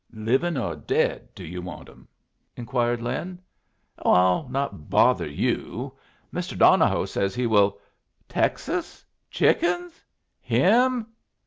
"Livin' or dead do you want 'em?" inquired Lin. "Oh, I'll not bother you. Mr. Donohoe says he will " "Texas? Chickens? Him?